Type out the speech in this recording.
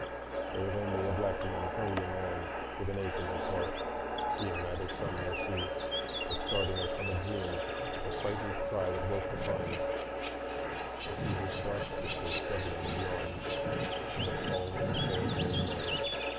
There was only a black man hurrying on with an ache in his heart, seeing neither sun nor sea, but starting as from a dream at the frightened cry that woke the pines, to see his dark sister struggling in the arms of a tall and fair haired man.